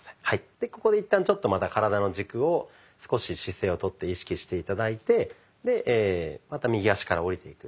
でここで一旦ちょっとまた体の軸を少し姿勢をとって意識して頂いてまた右足から下りていく。